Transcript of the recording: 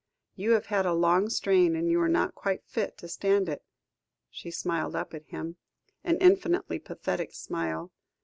You have had a long strain, and you were not quite fit to stand it." She smiled up at him, an infinitely pathetic smile.